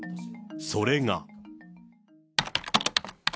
それが。